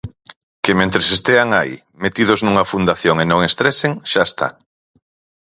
Que mentres estean aí, metidos nunha fundación e non estresen, xa está.